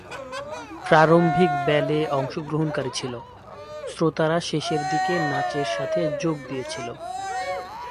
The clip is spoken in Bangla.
প্রারম্ভিক ব্যালে অংশগ্রহণকারী ছিল, শ্রোতারা শেষের দিকে নাচের সাথে যোগ দিয়েছিল।